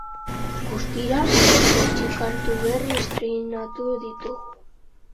Guztira, zortzi kantu berri estreinatu ditugu.